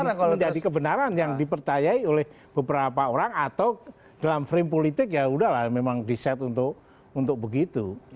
ini menjadi kebenaran yang dipercayai oleh beberapa orang atau dalam frame politik ya udahlah memang di set untuk begitu